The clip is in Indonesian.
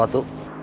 nanti gue sembuh